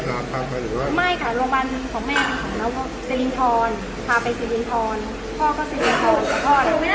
แต่วันนี้แต่ว่าไปถึงเมื่อกี้เพราะว่าต้องไปที่เดียวกัน